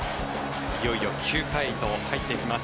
いよいよ９回へと入っていきます。